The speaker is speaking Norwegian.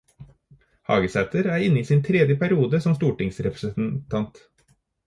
Hagesæter er inne i sin tredje periode som stortingsrepresentant.